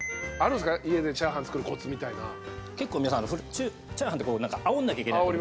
結構皆さんチャーハンってあおんなきゃいけないと。